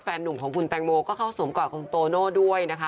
หนุ่มของคุณแตงโมก็เข้าสวมกอดคุณโตโน่ด้วยนะคะ